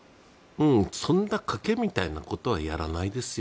そんな賭けみたいなことはやりませんよ。